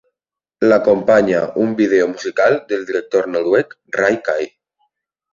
L'acompanya un vídeo musical del director noruec Ray Kay.